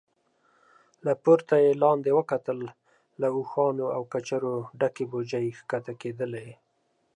له پورته يې لاندې وکتل، له اوښانو او کچرو ډکې بوجۍ کښته کېدلې.